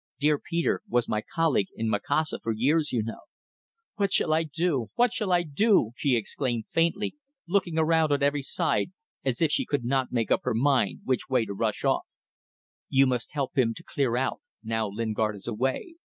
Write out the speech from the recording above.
Dear Peter was my colleague in Macassar for years, you know." "What shall I do ... what shall I do!" she exclaimed, faintly, looking around on every side as if she could not make up her mind which way to rush off. "You must help him to clear out, now Lingard is away.